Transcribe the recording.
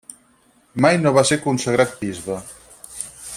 Mai no va ser consagrat bisbe.